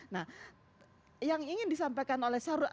nah yang ingin disampaikan oleh sarul